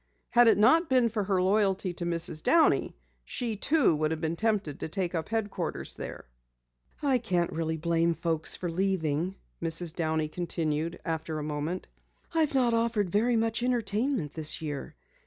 Had it not been for her loyalty to Mrs. Downey, she, too, would have been tempted to take up headquarters there. "I can't really blame folks for leaving," Mrs. Downey continued after a moment. "I've not offered very much entertainment this year.